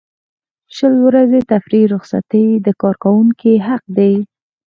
شل ورځې تفریحي رخصتۍ د کارکوونکي حق دی.